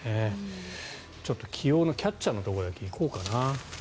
ちょっと起用のキャッチャーのところだけ行こうかな。